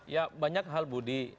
ya banyak hal budi